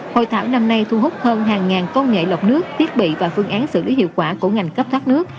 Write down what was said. hội thảo năm nay thu hút hơn hàng ngàn công nghệ lọc nước thiết bị và phương án xử lý hiệu quả của ngành cấp thoát nước